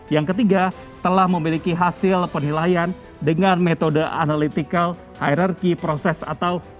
yang ketiga telah memiliki hasil penilaian dengan metode analytical hierarki proses atau